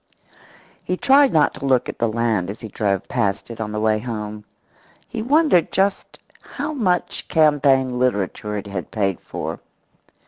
He tried not to look at the land as he drove past it on the way home. He wondered just how much campaign literature it had paid for.